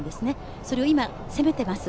それを今、攻めています。